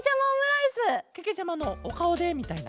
けけちゃまのおかおでみたいな？